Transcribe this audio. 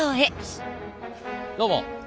どうも！